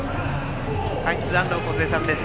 解説、安藤梢さんです。